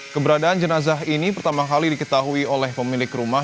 keberadaan jenazah ini pertama kali diketahui oleh pemilik rumah